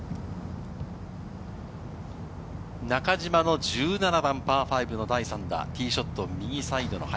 中島の１７番パー５の第３打、ティーショット、右サイドの林。